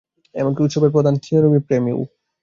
এমনকি উৎসবের প্রধান থিয়েরি ফ্রেমোও।